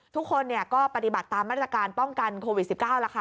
ทุกคนก็ปฏิบัติตามมาตรการป้องกันโควิด๑๙แล้วค่ะ